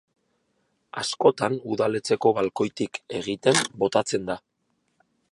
Askotan udaletxeko balkoitik egiten botatzen da.